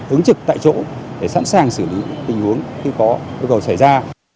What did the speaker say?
ứng trực tại chỗ để sẵn sàng xử lý tình huống khi có yêu cầu xảy ra